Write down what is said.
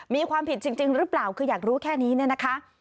มีความผิดจริงหรือเปล่าคืออยากรู้แค่นี้เนี่ยนะคะ